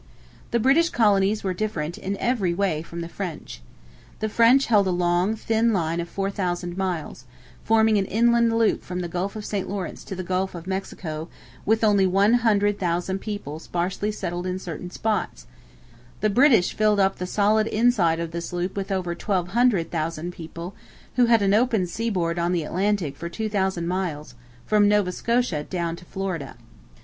The British colonies were different in every way from the French. The French held a long, thin line of four thousand miles, forming an inland loop from the Gulf of St Lawrence to the Gulf of Mexico, with only one hundred thousand people sparsely settled in certain spots; the British filled up the solid inside of this loop with over twelve hundred thousand people, who had an open seaboard on the Atlantic for two thousand miles, from Nova Scotia down to Florida.